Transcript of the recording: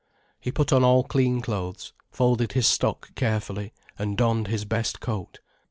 He put on all clean clothes, folded his stock carefully, and donned his best coat.